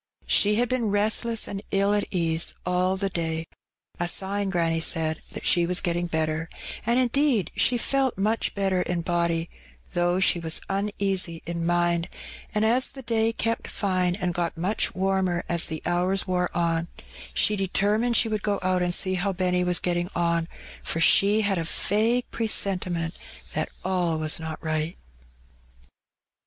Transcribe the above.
She had been restless and ill at ease all the day — a sign, granny said, that she was getting better; and, indeed, she felt much better in body, though she was uneasy in mind^ and, as the day kept fine and got much warmer as the hours wore on, she determined she would go out and see how Benny was getting on, for she had a vague pre sentiment that all was not right.